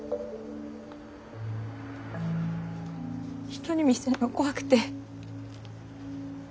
人に見せんの怖くて。